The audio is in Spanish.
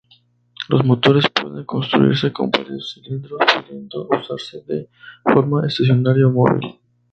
Los motores pueden construirse con varios cilindros pudiendo usarse de forma estacionaria o móvil.